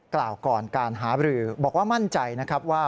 กล่าวก่อนการหาบรือบอกว่ามั่นใจนะครับว่า